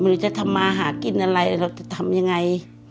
หรือจะทำมาหากินอะไรเราจะทำยังไง